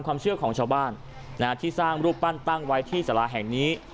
ความเชื่อของชาวบ้านที่สร้างรูปปั้นตั้งไว้ที่สาราแห่งนี้